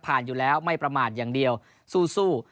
อยู่แล้วไม่ประมาทอย่างเดียวสู้